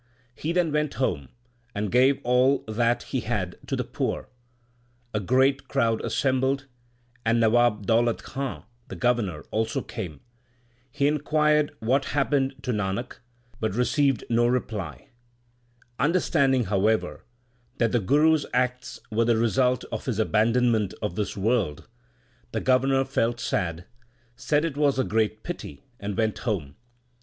He then went home, and gave all that he had to the poor. A great crowd assembled, and Nawab Daulat Khan, the Governor, also came. He inquired what had happened to Nanak, but received no reply. Understanding, however, that the Guru s acts were the result of his abandonment of this world, the Governor felt sad, said it was a great pity, and went home.